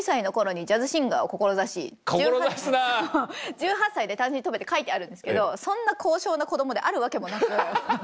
「１８歳で単身渡米」って書いてあるんですけどそんな高尚な子供であるわけもなく。